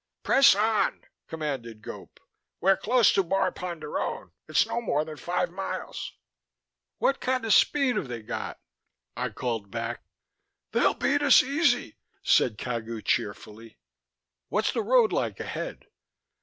"Press on!" commanded Gope. "We're close to Bar Ponderone; it's no more than five miles " "What kind of speed have they got?" I called back. "They'll beat us easy," said Cagu cheerfully. "What's the road like ahead?"